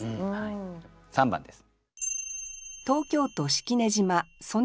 ３番です。